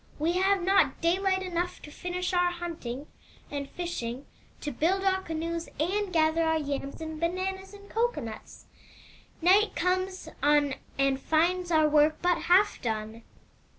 We have not daylight enough to finish our hunting and fishing, to build our canoes, and gather our yams and bananas and cocoanuts. Night comes on and finds our work but half done.